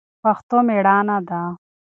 پښتو مېړانه ده